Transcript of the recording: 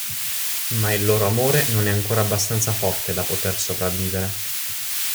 Ma il loro amore non è ancora abbastanza forte da poter sopravvivere.